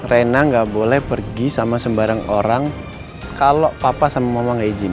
rena nggak boleh pergi sama sembarang orang kalau papa sama mama nggak izin